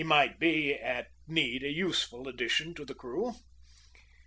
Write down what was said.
He might be, at need, a useful addition to the crew.